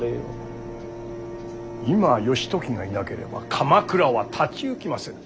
今義時がいなければ鎌倉は立ち行きませぬ。